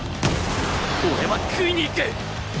俺は喰いにいく！